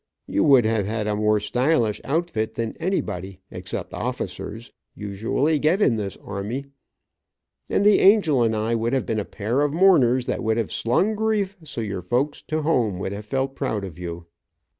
you would have had a more stylish outfit than anybody, except officers, usually get in this army, and the angel and I would have been a pair of mourners that would have slung grief so your folks to home would have felt proud of you."